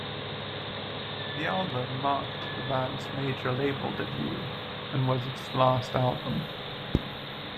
The album marked the band's major label debut, and was its last album.